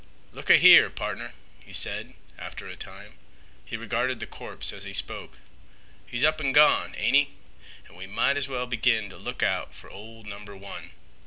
"Look a here, pardner," he said, after a time. He regarded the corpse as he spoke. "He's up an' gone, ain't 'e, an' we might as well begin t' look out fer ol' number one.